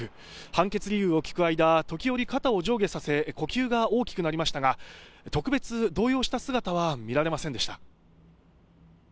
判決理由を聞く間時折、肩を上下させ呼吸が大きくなりましたが特別、動揺した姿は見られませんでした。